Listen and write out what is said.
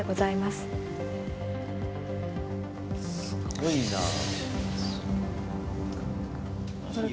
すごいなあ。